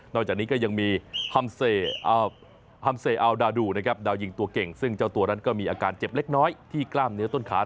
จากนี้ก็ยังมีฮัมเซอัลดาดูนะครับดาวยิงตัวเก่งซึ่งเจ้าตัวนั้นก็มีอาการเจ็บเล็กน้อยที่กล้ามเนื้อต้นขา